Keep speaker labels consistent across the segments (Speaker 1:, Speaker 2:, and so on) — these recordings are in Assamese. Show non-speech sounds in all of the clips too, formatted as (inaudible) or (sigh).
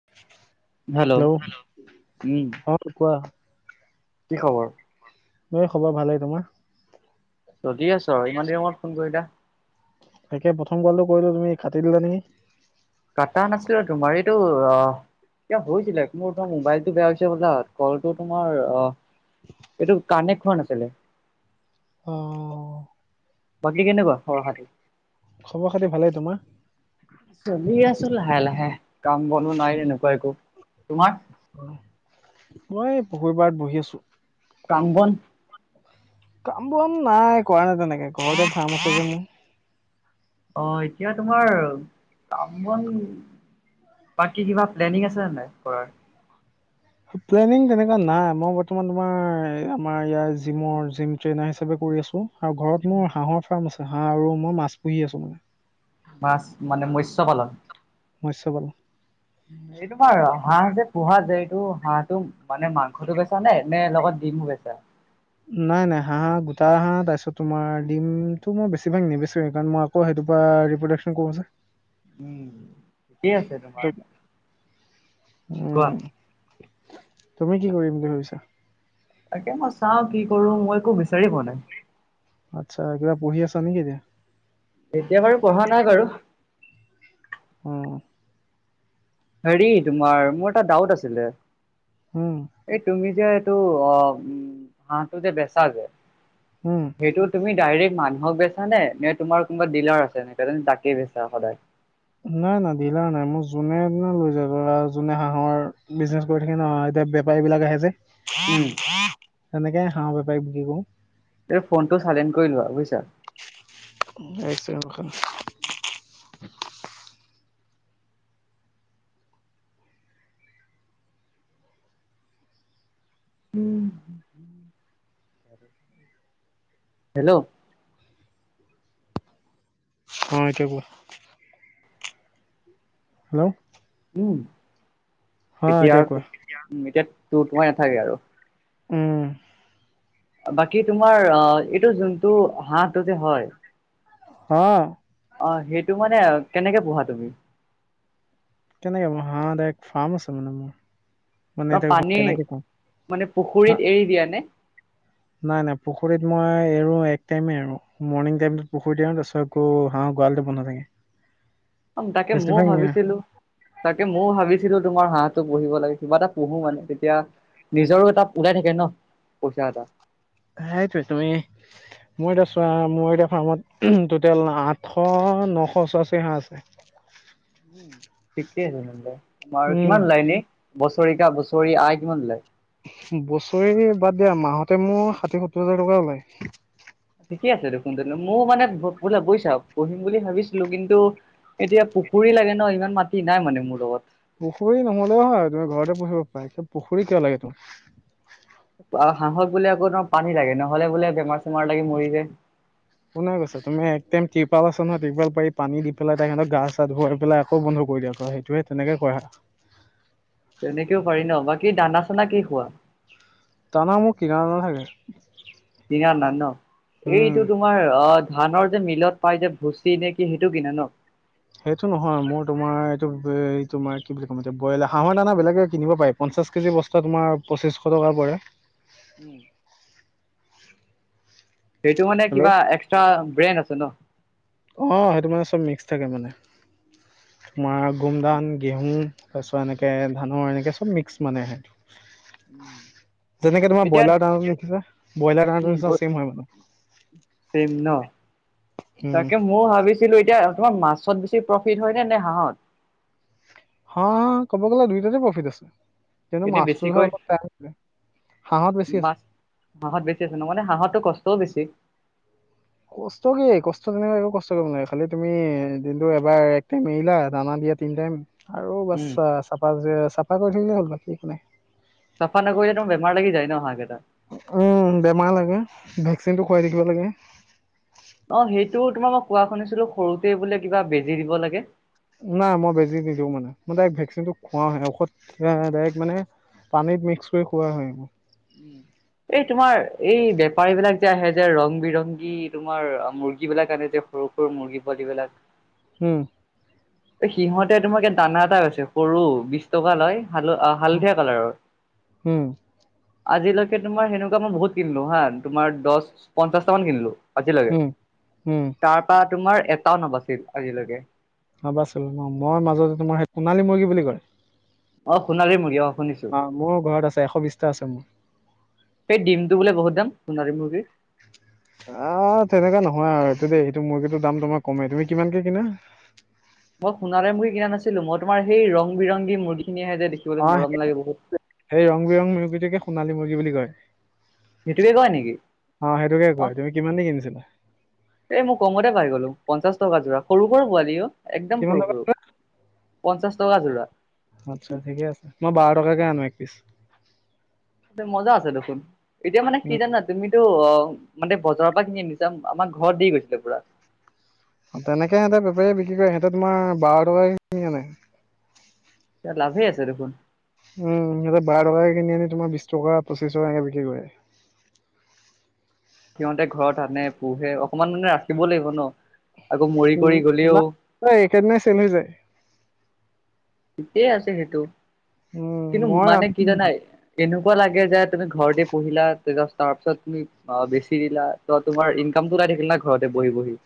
Speaker 1: (inaudible)
Speaker 2: Hello um.
Speaker 1: অ কোৱা।
Speaker 2: কি খবৰ?
Speaker 1: মোৰ খবৰ ভালেই, তোমাৰ?
Speaker 2: ৰধি আছোঁ আৰু ইমান দিনৰ মূৰত ফোন কৰিলা।
Speaker 1: তাকে প্ৰথম কলটো কৰিলো তুমি কাটি দিলা নেকি?
Speaker 2: কাটা নাছিলো তোমাৰ এইটো অ কিবা হৈছিলে মোৰ তোমাৰ মোবাইলটো বেয়া হৈছে বোলা কলটো তোমাৰ অ এইটো কাণেক্ট হোৱা নাছিলে।
Speaker 1: অহ।
Speaker 2: বাকী কেনেকুৱা খবৰ খাতি?
Speaker 1: খবৰ খাতি ভালেই, তোমাৰ?
Speaker 2: চলি আছো লাহে লাহে কাম বনো নাই এনেকুৱা একো, তোমাৰ?
Speaker 1: অহ, মই এই পুখুৰী পাৰত বহি আছো।
Speaker 2: কাম বন?
Speaker 1: কাম বন নাই কৰা নাই তেনেকে ঘৰতে ফাৰ্ম আছে যে মোৰ।
Speaker 2: অ এতিয়া তোমাৰ কাম বন বাকী কিবা প্লেনিং আছে ন নাই কৰাৰ?
Speaker 1: প্লেনিং তেনেকুৱা নাই মই বৰ্তমান তোমাৰ আমাৰ ইয়াৰ জিমৰ জিম ট্ৰেইনাৰ হিচাপে কৰি আছোঁ। আৰু ঘৰত মোৰ হাঁহৰ ফাৰ্ম আছে হাঁহ আৰু মই মাছ পুহি আছোঁ মানে।
Speaker 2: মাছ মানে মৎস্য পালন।
Speaker 1: মৎস্য পালন।
Speaker 2: এই তোমাৰ হাঁহ যে পোহা যে এইটো হাঁহটো মানে মাংসটো বেচা নে নে লগত ডিমো বেচা
Speaker 1: নাই নাই হাঁহ গোটা হাঁহ তাৰপিছত তোমাৰ ডিমটো মই বেছিভাগ নেবেচুৱে কাৰণ মই আকৌ সেটোপা ৰিপ্ৰডাকচন কৰো যে
Speaker 2: উম কি আছে তোমাৰ উম কোৱা
Speaker 1: উম তুমি কি কৰিম বুলি ভাবিছা
Speaker 2: তাকে মই চাওঁ কি কৰো মই একো বিচাৰিয়ে পোৱা নাই
Speaker 1: আচ্ছা কিবা পঢ়ি আছা নেকি এতিয়া
Speaker 2: এতিয়া বাৰু পঢ়া নাই বাৰু
Speaker 1: অঁ
Speaker 2: হেৰি তোমাৰ মোৰ এটা ডাউট আছিলে
Speaker 1: উম
Speaker 2: এই তুমি যে এইটো অ উম হাঁহটো যে বেচা যে
Speaker 1: উম
Speaker 2: সেইটো তুমি ডাইৰেক্ট মানুহক বেছা নে নে তোমাৰ কোনোবা ডিলাৰ আছে ন ত তাকে বেচা সদায়
Speaker 1: নাই নাই ডিলাৰ নাই মোৰ যোনে তোনে লৈ যায় যোনে হাঁহৰ বিজনেচ কৰি থাকে ন এতিয়া বেপাৰী বিলাক আহে যে
Speaker 2: উম
Speaker 1: সেনেকে হাঁহ বেপাৰীক বিকি কও
Speaker 2: এ ফনটো চাইলেণ্ট কৰি লোৱা বুইছা
Speaker 1: এক চেকেণ্ড ৰখা
Speaker 2: হেল্ল'
Speaker 1: অ এতিয়া কোৱা হেল্ল'
Speaker 2: উম
Speaker 1: অ
Speaker 2: এতিয়া তো
Speaker 1: কোৱা
Speaker 2: এতিয়া তোৰ তোৰাই নাথাকে আৰু
Speaker 1: উম
Speaker 2: বাকী তোমাৰ অ এইটো যোনটো হাহঁটো যে হয়
Speaker 1: হঅ
Speaker 2: অ সেইটো মানে কেনেকে পোহা তুমি
Speaker 1: কেনেকে পোহা ডাইৰেক্ট ফাৰ্ম আছে মানে মোৰ মানে
Speaker 2: বা
Speaker 1: এতিয়া
Speaker 2: পানী
Speaker 1: কেনেকে কম
Speaker 2: মানে
Speaker 1: না-
Speaker 2: পুখুৰীত এৰি দিয়া নে
Speaker 1: নাই নাই পুখুৰীত মই এৰো এক টাইমে এৰো মৰ্ণিং টাইমত পুখুৰীত এৰো তাৰ পিছত আকৌ হাঁহ গৰালতে বন্ধা থাকে
Speaker 2: তাকে ময়ও
Speaker 1: বেছিভাগ নিয়া।
Speaker 2: ভাবিছিলোঁ তাকে ময়ো ভাবিছিলো তোমাৰ হাঁহটো পুহিব লাগে কিবা এটা পুহো মানে তেতিয়া নিজৰো এটা ওলাই থাকে ন পইচা এটা
Speaker 1: সেইটোৱে তুমি মই এতিয়া চোৱা মোৰ এতিয়া ফাৰ্মত টোটেল আঠশ নশ ওচৰা ওচৰি হাঁহ আছে
Speaker 2: ঠিকে আছে তেন্তে তোমাৰ
Speaker 1: উম,
Speaker 2: কিমান ওলাই এনে বছেৰিকা বছৰি আই কিমান ওলাই
Speaker 1: বছৰি বাদ দিয়া মাহতে মোৰ ষাঠি সত্তৰ হাজাৰ টকা ওলায়
Speaker 2: ঠিকে আছে দেখোন তনো ময় মানে বলা বৈ চাওক পোহিম বুলি ভাবিছিলোঁ কিন্তু এতিয়া পুখুৰী লাগে ন ইমান মাটি নাই মানে মোৰ লগত
Speaker 1: পুখুৰী নহ'লেও হয় তুমি ঘৰতে পুহিব পাৰা পুখুৰী কিয় লাগে তোমাৰ
Speaker 2: আ হাঁহক বোলে আকৌ তোমাৰ পানী লাগে নহ'লে বোলে বেমাৰ চেমাৰ লাগি মৰি যায়
Speaker 1: কোনে কৈছে তুমি একটাইম তিৰপাল আছে নহয় তিৰপাল পাৰি পানী দি পেলাই তাহাতক গা চা ধুৱাই পেলাই আকৌ বন্ধ কৰি দিয়া সেটোৱে তেনেকে কৰা
Speaker 2: তেনেকেও পাৰি ন' বাকী দানা-চানা কি খোৱা?
Speaker 1: দানা মোৰ কিনা দানা থাকে।
Speaker 2: কিনা দানা ন'
Speaker 1: উম।
Speaker 2: এইটো তোমাৰ অ' ধানৰ যে মিলত পাই যে ভুচি নে কি সেইটো কিনা ন'?
Speaker 1: সেইটো নহয় মোৰ তোমাৰ এইটো তোমাৰ কি বুলি ক'ম এতিয়া বইল হাঁহৰ দানা বেলেগে কিনিব পাই। পঞ্চাছ কেজি বস্তা তোমাৰ পঁচিছশ টকা পৰে।
Speaker 2: উম।
Speaker 1: (inaudible)
Speaker 2: সেইটো মানে
Speaker 1: হেল্ল'
Speaker 2: কিবা এক্সট্ৰা ব্ৰেণ্ড আছে ন'?
Speaker 1: অ', সেইটো মানে চব মিক্স থাকে মানে তোমাৰ গুমধান গেহু তাৰপিছত এনেকে ধানৰ এনেকে চব মিক্স মানে। যেনেকে তোমাৰ
Speaker 2: এতিয়া
Speaker 1: ব্ৰইলাৰ দানাটো মিক্স আছে, ব্ৰইলাৰ দানাৰ নিচনা চছেম হয় মানে।
Speaker 2: ছেম ন'
Speaker 1: উম,
Speaker 2: তাকে মোও ভাবি ছিলো এতিয়া তোমাৰ মাছত বেছি প্ৰফিট হয়নে নে হাঁহত?
Speaker 1: হ, ক'ব গ'লে দুইটাতে প্ৰফিট আছে। কিন্তু
Speaker 2: এনে
Speaker 1: মাছটো ধৰ
Speaker 2: বেছিকৈ
Speaker 1: অলপ (unintelligible) হাঁহত বেছি আছে।
Speaker 2: মাছ হাঁহত বেছিছে ন' মানে হাঁহটো কষ্টও বেছি।
Speaker 1: কষ্ট কি কষ্ট তেনেকুৱা একো কষ্ট কৰিব নালাগে খালি তুমি দিনটো এবাৰ এক টাইম এৰিলা দানা দিয়াত তিন টাইম আৰু বাছ
Speaker 2: উম
Speaker 1: চাফা চাফা কৰি থাকিলে হ'ল বাকী একো নাই।
Speaker 2: চফা নকৰিলে তোমাৰ বেমাৰ লাগি যায় ন' হাঁহ কেইটা?
Speaker 1: উম, বেমাৰ লাগে ভেকচিনটো খুৱাই থাকিব লাগে।
Speaker 2: অ', সেইটো তোমাৰ মই কোৱা শুনিছিলোঁ সৰুতে বোলে কিবা বেজি দিব লাগে।
Speaker 1: নাই মই বেজি দিছো মানে মই ডাইৰেক্ট ভেকচিনটো খুৱওাহে ঔষধ ডাইৰেক্ট মানে পানীত মিক্স কৰি খোৱা হয় মোৰ।
Speaker 2: উম। এই তোমাৰ এই বেপাৰী বিলাক যে আহে যে ৰং বিৰংগী তোমাৰ মুৰ্গী বিলাক আনে যে সৰু সৰু মুৰ্গী পোৱালিবিলাক।
Speaker 1: উম।
Speaker 2: সিহঁতে তোমাৰ ই দানা এটা হৈছে সৰু বিশ টকা লয় হাল আহ হালধীয়া কালাৰৰ।
Speaker 1: উম
Speaker 2: আজিলৈকে তোমাৰ সেনেকুৱা মই বহুত কিনিলো হা তোমাৰ দহ পঞ্চাশটামান কিনিলোঁ। আজিলৈকে
Speaker 1: উম উম
Speaker 2: তাৰপা এটাও নাবাছিল আজিলৈকে।
Speaker 1: নাবাছিল ন' মই মাজতে তোমাৰ সোণালী বুলি কয়।
Speaker 2: অ', সোনালি মুৰ্গী অ'। শুনিছো
Speaker 1: অ', মোৰ ঘৰত আছে এশ বিশটা আছে মোৰ।
Speaker 2: সেই ডিমটো বোলে বহুত দাম সোনাৰী মুৰ্গীৰ।
Speaker 1: আহ তেনেকোৱা নহয় আৰু এইটো দেই মুৰ্গীটোৰ দাম তোমাৰ কমেই, তুমি কিমানকে কিনা?
Speaker 2: মই সোণালি মুৰ্গী কিনা নাছিলো মই তোমাৰ এই ৰং-বিৰংগী মূৰ্গী খিনি আহে যে দে
Speaker 1: অ' ল, সেই ৰং-বিৰংগী মুৰ্গীটোকে সোণালী মুৰ্গী বুলি কয়।
Speaker 2: সেইটোকে কয় নেকি?
Speaker 1: অ', সেইটোকে
Speaker 2: মই
Speaker 1: কয়, তুমি কিমান দি কিনিছিলা?
Speaker 2: এই মই কমতে পাই গ'লো। পঞ্চাশ টকা যোৰা সৰু সৰু পোৱালি অ', একদম
Speaker 1: কিমান
Speaker 2: সৰু সৰু।
Speaker 1: টকা
Speaker 2: পঞ্চাশ টকা যোৰা।
Speaker 1: আচ্ছা ঠিকে আছে, মই বাৰ টকাকৈ আনো এক পিচ।
Speaker 2: এই মজা আছে দেখোন, এতিয়া মানে কি
Speaker 1: উম
Speaker 2: জানা তুমিতো অ, মানে বজাৰৰ পৰা কিনি আনিছে, আমাৰ ঘৰত দি গৈছে পুৰা।
Speaker 1: তেনেকে সহঁতে বেপাৰীয়ে বিক্ৰী কৰে সিহঁতে তোমাৰ বাৰ টকাকে কিনি আনে।
Speaker 2: লাভে আছে দেখোন।
Speaker 1: উম, সিহঁতে বাৰ টকাকে কিনি আনি তোমাৰ বিশ টকা পঁচিশ টকাকে বিক্ৰী কৰে।
Speaker 2: সিহঁতে ঘৰত আনে, পোহে অকমান মানে ৰাখিব লাগিব ন'। আকৌ মৰি কৰি গ'লেও
Speaker 1: নাই চেল হৈ যায়।
Speaker 2: ঠিকে আছে সেইটো,
Speaker 1: উম,
Speaker 2: কিন্তু
Speaker 1: মই
Speaker 2: মানে কি জানাই এনেকুৱা লাগে যে তুমি ঘৰতে পঢ়িলা, তাৰ পিছত তুমি অ', বেছি দিলা তোমাৰ ইনকাম টো উলাই থাকিল না, ঘৰতে বহি- বহি।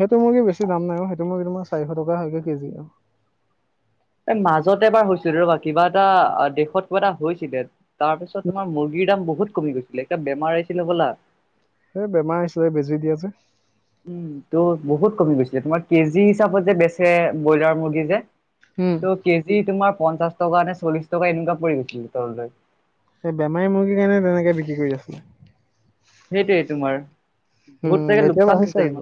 Speaker 1: সেইটো মূৰ্গী বেছি দাম নাই অ, সেইটো মূৰ্গী মই চাৰিশ টকা হৈ গৈ কেজি আৰু।
Speaker 2: মাজতে এবাৰ হৈছিল ৰ'বা। কিবা এটা দেশত কিবা এটা হৈছিলে। তাৰপিছত তোমাৰ মুৰ্গীৰ দাম বহুত কমি গৈছিলে। এটা বেমাৰ আহিছিলে হ'বলা।
Speaker 1: এ বেমাৰ আহিছিলে বেজি দিয়ে যে।
Speaker 2: উম, ত' বহুত কমি গৈছিলে। তোমাৰ কেজি হিচাপত যে বেচে ব্ৰইলাৰ মুৰ্গী যে।
Speaker 1: উম।
Speaker 2: ত' কেজি তোমাৰ পঞ্চাশ টকা নে, চল্লিশ টকা এনেকুৱা পৰি গৈছিল তললৈ।
Speaker 1: এই বেমাৰী মুৰ্গীৰ কাৰণে তেনেকে বিক্ৰী কৰি আছিলে।
Speaker 2: সেইটোৱে তোমাৰ। বহুত
Speaker 1: উম,
Speaker 2: চাগে
Speaker 1: এতিয়া
Speaker 2: লোকচান
Speaker 1: বাঢ়িছে
Speaker 2: হৈছে,
Speaker 1: আকৌ,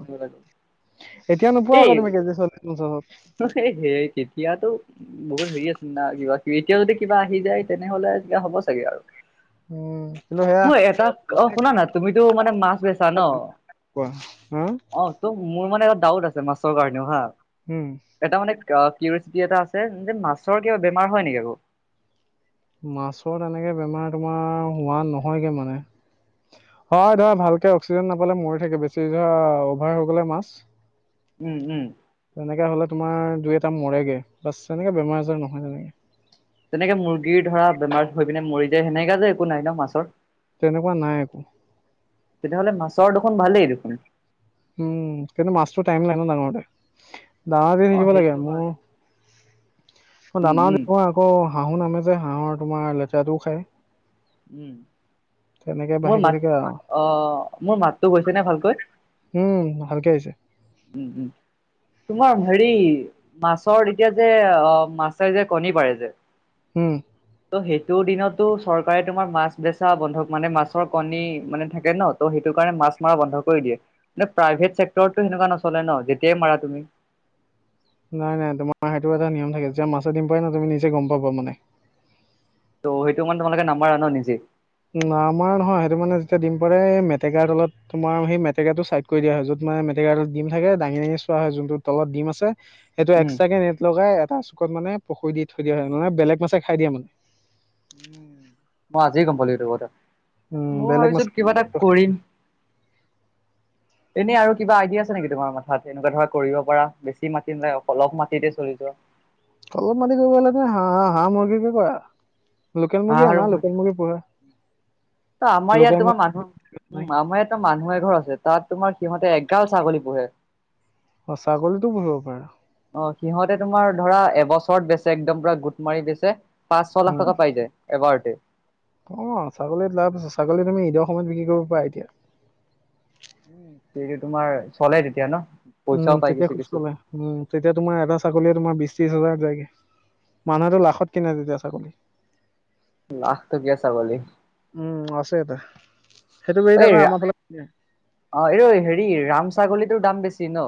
Speaker 1: এতিয়া নোপোৱা আকৌ তুমি কেজি চল্লিশ পঞ্চাশত।
Speaker 2: এই অ' সেই তেতিয়াটো বহুত হেৰি আছে না। কিবা- কিবি এতিয়া যদি কিবা আহি যায়, তেনেহলে কিবা হ'ব চাগে আৰু।
Speaker 1: উম, কিন্তু সেয়া
Speaker 2: মই এটা অ' শুন না। তুমিটো মানে মাছ বেচা ন?
Speaker 1: কোৱা হা
Speaker 2: অ, তোৰ মোৰ মানে এটা ডাউট আছে মাছৰ কাৰণেও হা।
Speaker 1: উম।
Speaker 2: এটা মানে কিউ কি এটা আছে যে, মাছৰ কিবা বেমাৰ হয় নেকি আকৌ?
Speaker 1: মাছৰ তেনেকে বেমাৰ তোমাৰ হোৱা নহয়গৈ মানে। হয় ধৰা, ভালকে অক্সিজেন নাপালে মৰি থাকে, বেছি ধৰা অভাৰ হৈ গ'লে মাছ
Speaker 2: উম, উম।
Speaker 1: তেনেকে হ'লে তোমাৰ দুই এটা মৰেগে বাছ, এনেকে বেমাৰ আজাৰ নহয় তেনেকে।
Speaker 2: তেনেকে মুৰ্গীৰ ধৰা বেমাৰ হৈ পিনে মৰি যায়। সেনেকা যে একো নাই ন' মাছৰ?
Speaker 1: তেনেকুৱা নাই একো।
Speaker 2: তেতিয়াহ'লে মাছৰ দেখোন ভালেই দেখোন।
Speaker 1: উম, কিন্তু মাছটো টাইম লাগ ন' ডাঙৰ হওঁতে দানা দি
Speaker 2: অ
Speaker 1: থাকিব লাগে।
Speaker 2: সেইটো
Speaker 1: মোৰ
Speaker 2: হয়
Speaker 1: মই
Speaker 2: উম
Speaker 1: দানাও
Speaker 2: উম
Speaker 1: দিওঁ, আকৌ হাঁহো আনে যে হাঁহৰ তোমাৰ লেতেৰাটোও খাই।
Speaker 2: উম, মোৰ
Speaker 1: গৈ
Speaker 2: মাত,
Speaker 1: থাকে আৰু
Speaker 2: অ, মোৰ মাতটো গৈছে নে ভালকৈ?
Speaker 1: উম, ভালকে আহিছে।
Speaker 2: উম, উম। তোমাৰ হেৰি মাছৰ এতিয়া যে অ, মাছে যে কণী পাৰে যে
Speaker 1: উম।
Speaker 2: ত' সেইটো দিনতো চৰকাৰে তোমাক মাছ বেচা বন্ধক, মানে মাছৰ কণী মানে থাকে ন ত' সেইটো কাৰণে মাছ মাৰা বন্ধ কৰি দিয়ে। মানে প্ৰাইভেট চেক্টৰতটো সেনেকুৱা নচলে ন যেতিয়াই মাৰা তুমি।
Speaker 1: নাই- নাই তোমাৰ সেইটো এটা নিয়ম থাকে। যেতিয়া মাছে দিম পাৰে ন, তুমি নিজে গম পাবা মানে।
Speaker 2: ত', সেইটো মানে তোমালোকে নাম্বাৰ আনে নিজে?
Speaker 1: না আমাৰ নহয়, সেইটো মানে যেতিয়া দিম পৰে, এই মেটেকাৰ তলত তোমাৰ সেই মেটেকাটো চাইড কৰি দিয়া হয়। য'ত মানে মেটেকা ডিম থাকে দাঙি-দাঙি চোৱা হয় যোনটো তলত ডিম আছে সেইটো
Speaker 2: উম
Speaker 1: এক্সট্ৰাকে নেট লগাই এটা চুকত মানে পুখুৰি দি থৈ দিয়া হয়, মানে বেলেগ মাছে খাই দিয়ে মানে।
Speaker 2: মই আজি গম পালোঁ এইটো কথা।
Speaker 1: উম,
Speaker 2: মই
Speaker 1: বেলেগ
Speaker 2: ভাবিছোঁ
Speaker 1: মাছে
Speaker 2: কিবা এটা কৰিম। এনেই আৰু কিবা আইডিয়া আছে নেকি তোমাৰ মাঠাত? এনেকুৱা ধৰা কৰিব পাৰা বেছি মাটি নালাগে অলপ মাটিতে চলি যোৱা।
Speaker 1: অলপ মাটিত কৰিব হ'লে তুমি হাঁহ-হাঁহ, মুৰ্গীকে কৰা। লোকেল মুৰ্গী
Speaker 2: হাঁহ আৰু
Speaker 1: আনা, লোকেল
Speaker 2: ন
Speaker 1: মুৰ্গী পোহা।
Speaker 2: ত আমাৰ
Speaker 1: লোকেল
Speaker 2: ইয়াত তোমাৰ
Speaker 1: মুৰ্গী
Speaker 2: মানুহ
Speaker 1: নাই
Speaker 2: উম আমাৰ ইয়াত তাতে মানুহ এঘৰ আছে তাত তোমাৰ সিহঁতে এগাল ছাগলী পোহে।
Speaker 1: অঁ! ছাগলীতো পুহিব পাৰা।
Speaker 2: অঁ! সিহঁতে তোমাৰ ধৰা এবছৰত বেচে একদম পুৰা গোট মাৰি বেচে। পাঁচ, ছয় লাখ টকা পাই যায় এবাৰতে।
Speaker 1: অঁ! ছাগলীত লাভ আছে, ছাগলী তুমি ঈদৰ সময়ত বিক্ৰী কৰিব পাৰা এতিয়া।
Speaker 2: উম! সেইটো তোমাৰ চলে তেতিয়া ন',
Speaker 1: উম,
Speaker 2: পইচাও পাই
Speaker 1: তেতিয়া খুব
Speaker 2: কিছু-কিছু।
Speaker 1: চলে উম! তেতিয়া তোমাৰ এটা ছাগলীয়ে তোমাৰ বিছ, ত্ৰিছ হাজাৰ যায়গে। মানুহেটো লাখত কিনে তেতিয়া ছাগলী।
Speaker 2: লাখ টকীয়া ছাগলী।
Speaker 1: উম, আছে এটা। সেইটো (unintelligible)
Speaker 2: এই
Speaker 1: আকৌ আমাৰ ফালে কোনো নাই।
Speaker 2: অ! এই হেৰি ৰাম ছাগলীটোৰ দাম বেছি ন?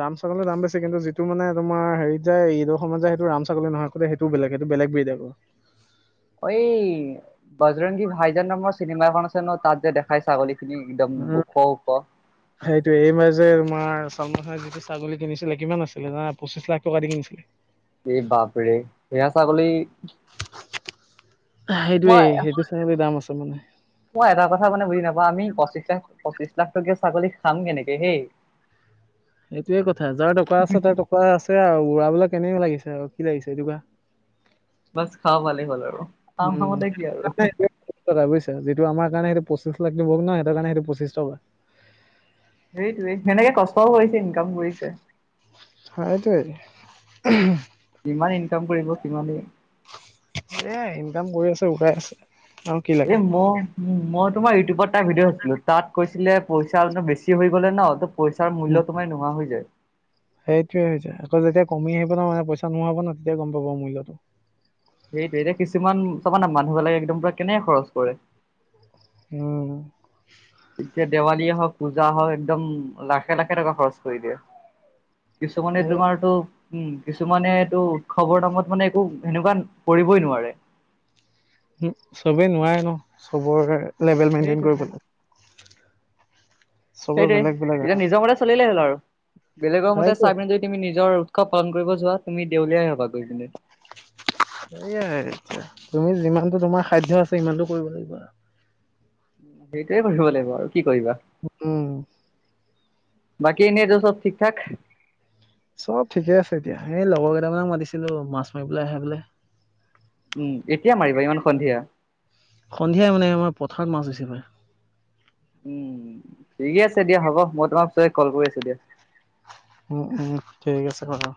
Speaker 1: ৰাম ছাগলী দাম বেছি কিন্তু যিটো মানে তোমাৰ হেৰিত যায় ঈদৰ সময়ত যায় সেইটো ৰাম ছাগলী নহয়। সেইটো বেলেগ, সেইটো বেলগ বিধ আকৌ।
Speaker 2: অ! এই বজৰংগী ভাইজান নামৰ চিনেমা এখন আছে ন' তাত যে দেখাই ছাগলী খিনি একদম ওখ-ওখ।
Speaker 1: সেইটো এই মাজে তোমাৰ চলমান খানে ছাগলী কিনিছিলে কিমান আছিলে জানা, পঁচিশ লাখ টকা দি কিনিছিলে।
Speaker 2: এই বাপৰে সেয়া ছাগলী
Speaker 1: সেইটোৱেই
Speaker 2: মই
Speaker 1: সেইটো ছাগলী দাম আছে মানে।
Speaker 2: মই এটা কথা মানে বুজি নাপাওঁ আমি পঁচিশ লাখ, পঁচিশ লাখ টকীয়া ছাগলী খাম কেনেকে সেই?
Speaker 1: (inaudible) সেইটোৱে কথা যাৰ টকা আছে তাৰ টকা আছে আৰু ওৰাবলে কেনেকে লাগিছে আৰু কি লাগিছে এইটো কোৱা।
Speaker 2: বছ খাব পালেই হ'ল আৰু। আমাৰ
Speaker 1: উম!
Speaker 2: মতে
Speaker 1: (unintelligible)
Speaker 2: কি আৰু
Speaker 1: (unintelligible) কথা বুজিছা যিটো আমাৰ কাৰণে সেইটো পঁছিশ লাখ নিব নহ সিহঁতৰ কাৰণে সেইটো পঁচিছ টকা।
Speaker 2: সেইটোৱেই সেনেকে কষ্টও কৰিছে, ইনকাম কৰিছে।
Speaker 1: সেইটোৱেই। (unintelligible)
Speaker 2: যিমান ইনকাম কৰিব, সিমানেই
Speaker 1: এয়াই ইনকাম কৰি আছে, ওলাই আছে। আৰু কি লাগে
Speaker 2: এই ম উম! মই তোমাৰ ইউটিউবত এটা ভিডিঅ' চাইছিলো তাত কৈছিলে পইচা বেছি হৈ গ'লে ন ত পইচাৰ মূল্য তোমাৰ নোহোৱা হৈ যায়।
Speaker 1: সেইটোৱে হৈছে। আকৌ যেতিয়া কমি আহিব ন, মানে পইচা নোহোৱা হব ন তেতিয়া গম পাব মূল্যটো।
Speaker 2: সেইটো এতিয়া কিছুমান চাবানা মানুহবিলাকে একদম পুৰি কেনেকে খৰচ কৰে।
Speaker 1: উম!
Speaker 2: এতিয়া দেৱালীয়ে হওক, পূজা হওক একদম লাখে-লাখে টকা খৰচ কৰি দিয়ে। কিছুমানে
Speaker 1: এ
Speaker 2: তোমাৰতো উম উ উ, কিছুমানে এইটো উৎসৱৰ নামত মানে একো সেনেকুৱা কৰিবই নোৱাৰে।
Speaker 1: উম চবে নোৱাৰে ন চবৰে লেভেল মেইনটেইন
Speaker 2: সেইটোৱে না
Speaker 1: কৰিবলৈ। চবৰ
Speaker 2: সেইটোৱেই
Speaker 1: বেলেগ বেলেগ
Speaker 2: তেতিয়া
Speaker 1: আহ
Speaker 2: নিজৰ মতে চলিলেই হ'ল আৰু বেলেগৰ মতে
Speaker 1: সেইটোৱে
Speaker 2: চাই পিন তুমি নিজৰ উৎসৱ পালন কৰিব যোৱা তুমি দেউলীয়াই হবা গৈ পিনে।
Speaker 1: টি টাক আহ সেয়াই এয়া তুমি যিমানটো তোমাৰ খাদ্য আছে সিমানটো কৰিব লাগিব আৰু
Speaker 2: সেইটোৱে কৰি থব লাগিব আৰু কি কৰিবা।
Speaker 1: উ উম উম উ উ।
Speaker 2: বাকী এনে যে চব ঠিক ঠাক।
Speaker 1: চব ঠিকে আছে এতিয়া এই লগৰ কেইটামানক মাতিছিলো মাছ মাৰিব পেলাই আহে বোলে।
Speaker 2: উম উ উ, এতিয়া মাৰিবা ইমান সন্ধিয়া।
Speaker 1: সন্ধিয়াই মানে আমাৰ পথাৰত মাছ হৈছে এবাৰ।
Speaker 2: উম উম উ উ, ঠিকে আছে দিয়া হ'ব মই তোমাক ওচৰে কল কৰি আছো দিয়া।
Speaker 1: উম উ উ, ঠিক আছে বাৰু।